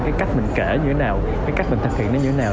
cái cách mình kể như thế nào cái cách mình thực hiện nó như thế nào